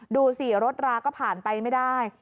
ดูสิรถราก็ผ่านไปไม่ได้